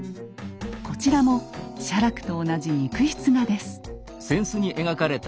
こちらも写楽と同じ肉筆画です。